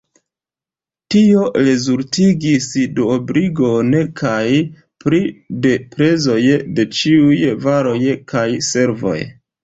Tio rezultigis duobligon kaj pli de prezoj de ĉiuj varoj kaj servoj.